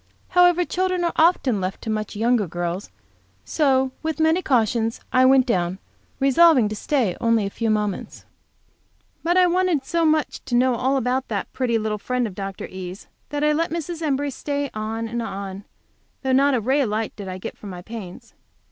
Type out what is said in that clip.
However, children are often left to much younger girls, so, with many cautions, I went down, resolving to stay only a few moments. But I wanted so much to know all about that pretty little friend of Dr. E.'s that I let Mrs. Embury stay on and on, though not a ray of light did I get for my pains.